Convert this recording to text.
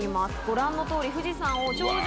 ご覧のとおり富士山を。